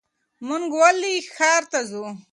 مونږ ولې ښار ته ځو؟